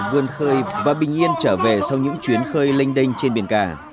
vươn khơi và bình yên trở về sau những chuyến khơi linh đinh trên biển cả